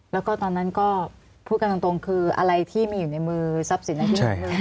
แล้วก็ตอนนั้นก็พูดการตรงคืออะไรที่มีอยู่ในมือทรัพย์สินทรัพย์